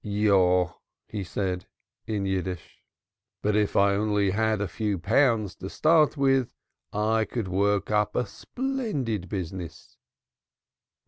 "Yes," he said in Yiddish. "But if I only had a few pounds to start with I could work up a splendid business."